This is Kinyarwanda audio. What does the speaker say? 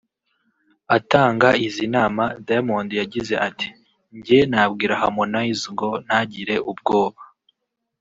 Atanga izi nama Diamond yagize ati”Njye nabwira Harmonize ngo ntagire ubwoba